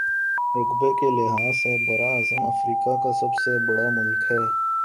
رقبے کے لحاظ سے براعظم افریقہ کا سب بڑا ملک ہے